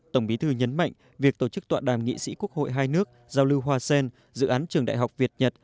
tổng bí thư nhấn mạnh việc tổ chức tọa đàm nghị sĩ quốc hội hai nước giao lưu hoa sen dự án trường đại học việt nhật